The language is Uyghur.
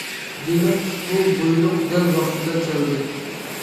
دېمەك، بۇ بۇيرۇق دەل ۋاقتىدا كەلدى.